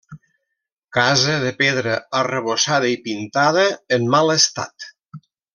Casa de pedra arrebossada i pintada, en mal estat.